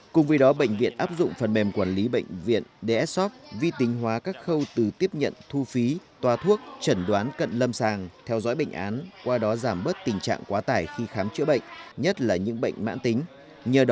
cùng với đó bệnh viện áp dụng phần mềm quản lý bệnh viện dshop vi tính hóa các khâu từ tiếp nhận thu phí toa thuốc chẩn đoán cận lâm sàng theo dõi bệnh án qua đó giảm bớt tình trạng quá tải khi khám chữa bệnh nhất là những bệnh mãn tính